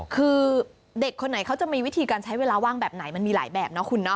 คือเด็กคนไหนเขาจะมีวิธีการใช้เวลาว่างแบบไหนมันมีหลายแบบเนาะคุณเนาะ